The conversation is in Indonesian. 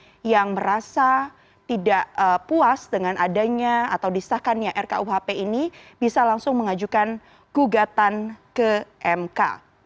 jadi pihak dari pemerintah menteri hukum dan ham tidak mau mengajukan rkuhp karena dia merasa tidak puas dengan adanya atau disahkannya rkuhp ini bisa langsung mengajukan gugatan ke mk